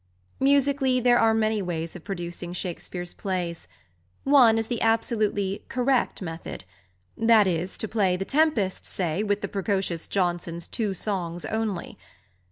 Musically, there are many ways of producing Shakespeare's plays. One is the absolutely "correct" method that is, to play The Tempest, say, with the precocious Johnson's two songs only.